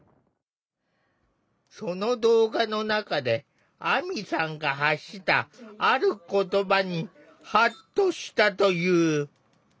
その動画の中で亜美さんが発したある言葉にハッとしたという。